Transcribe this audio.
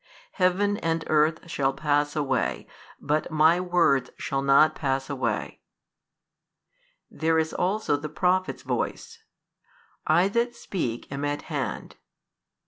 Heaven and earth shall pass away but My words shall not pass away: there is also the Prophet's voice, I that speak am at hand.